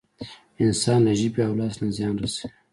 انسان له ژبې او لاس نه زيان رسوي.